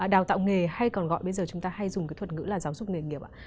đào tạo nghề hay còn gọi bây giờ chúng ta hay dùng cái thuật ngữ là giáo dục nghề nghiệp ạ